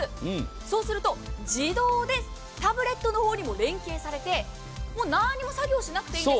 そうすると自動でタブレットの方にも連携されて、何も作業しなくていいんです。